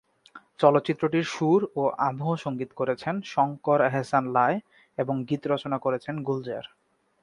চলচ্চিত্রটির সুর ও আবহ সঙ্গীত করেছেন শঙ্কর-এহসান-লায় এবং গীত রচনা করেছেন গুলজার।